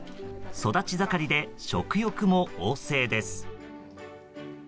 育ち盛りで食欲も旺盛です。